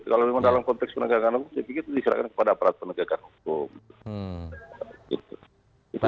kalau memang dalam konteks penegakan hukum saya pikir itu diserahkan kepada aparat penegakan hukum